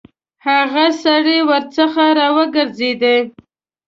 هغه سړی ورڅخه راوګرځېد.